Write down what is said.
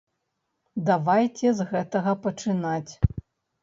Давайце з гэтага пачынаць.